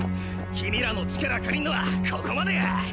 君らの力借りんのはここまでや！